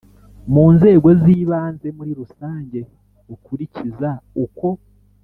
mu nzego z ibanze muri rusange bukurikiza uko